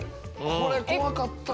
これ怖かったな！